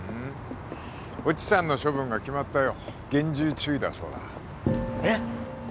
越智さんの処分が決まったよ厳重注意だそうだえッ！